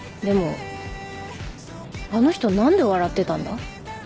でもあの人何で笑ってたんだ？